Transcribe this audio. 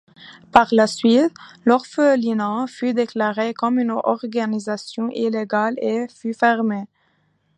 Par la suite, l'orphelinat fut déclaré comme une organisation illégale et fut fermé.